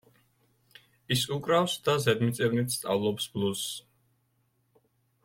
ის უკრავს და ზედმიწევნით სწავლობს ბლუზს.